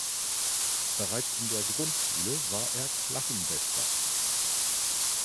Bereits in der Grundschule war er Klassenbester.